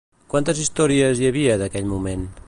Quantes històries hi havia d'aquell moment?